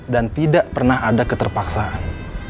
dan tidak pernah ada keterpaksaan